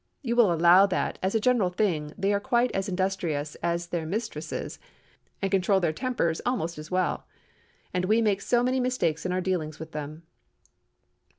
You will allow that, as a general thing, they are quite as industrious as their mistresses, and control their tempers almost as well. And we make so many mistakes in our dealings with them!"